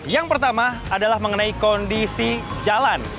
yang pertama adalah mengenai kondisi jalan